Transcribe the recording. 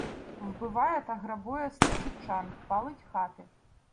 Вбиває та грабує стецівчан, палить хати.